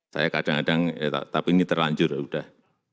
saya kadang kadang tapi ini terlanjur sudah